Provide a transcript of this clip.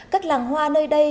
các làng hoa nơi đây